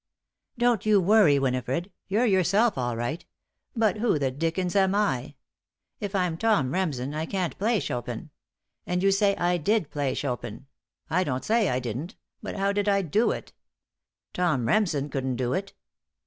"Don't you worry, Winifred. You're yourself, all right. But who the dickens am I? If I'm Tom Remsen, I can't play Chopin. And you say I did play Chopin. I don't say I didn't. But how did I do it? Tom Remsen couldn't do it.